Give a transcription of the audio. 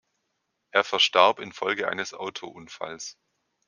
Er verstarb in Folge eines Autounfalls.